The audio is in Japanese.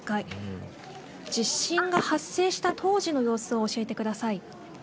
地震が発生した当時の様子を教えてください。